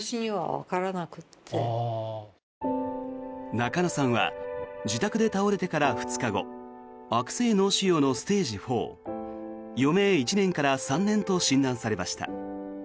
中野さんは自宅で倒れてから２日後悪性脳腫瘍のステージ４余命１年から３年と診断されました。